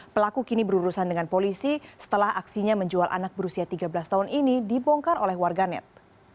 pelaku kini berurusan dengan polisi setelah aksinya menjual anak berusia tiga belas tahun ini dibongkar oleh warganet